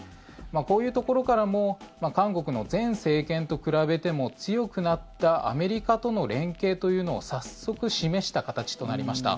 こういうところからも韓国の前政権と比べても強くなったアメリカとの連携というのを早速、示した形となりました。